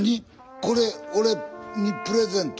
これ俺にプレゼント？